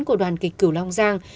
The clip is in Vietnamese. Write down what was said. của đoàn kịch cửu long giang